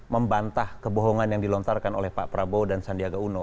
membantah kebohongan yang dilontarkan oleh pak prabowo dan sandiaga uno